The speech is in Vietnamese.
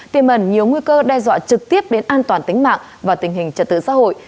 tiềm ẩn nhiều nguy cơ đe dọa trực tiếp đến an toàn tính mạng và tình hình trật tự xã hội